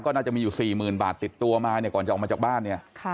ก็น่าจะมีอยู่๔๐๐๐บาทติดตัวมาเนี่ยก่อนจะออกมาจากบ้านเนี่ย